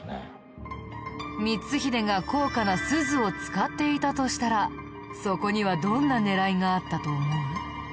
光秀が高価な錫を使っていたとしたらそこにはどんな狙いがあったと思う？